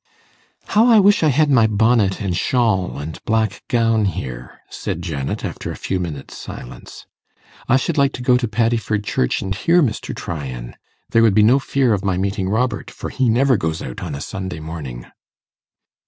'How I wish I had my bonnet, and shawl, and black gown here!' said Janet, after a few minutes' silence. 'I should like to go to Paddiford Church and hear Mr. Tryan. There would be no fear of my meeting Robert, for he never goes out on a Sunday morning.